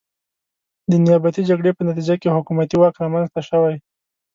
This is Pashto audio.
د نیابتي جګړې په نتیجه کې حکومتي واک رامنځته شوی.